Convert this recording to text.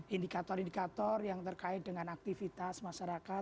indikator indikator yang terkait dengan aktivitas masyarakat